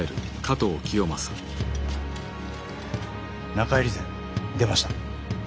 中入り勢出ました。